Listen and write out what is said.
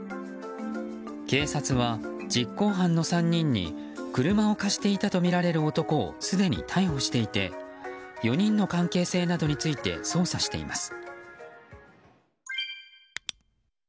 警察は実行犯の３人に車を貸していたとみられる男をすでに逮捕していて４人の関係性などについて捜査しています。